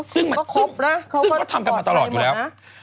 ซึ่งก็ทำกันมาตลอดอยู่แล้ว